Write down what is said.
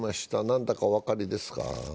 何だかお分かりですか。